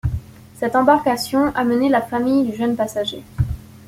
Cette embarcation amenait la famille du jeune passager.